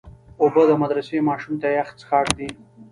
اوبه د مدرسې ماشوم ته یخ څښاک دی.